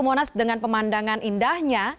monas dengan pemandangan indahnya